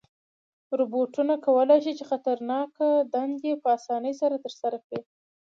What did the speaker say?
روبوټونه کولی شي چې خطرناکه دندې په آسانۍ سره ترسره کړي.